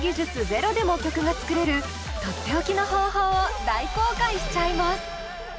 ゼロでも曲が作れる取って置きの方法を大公開しちゃいます！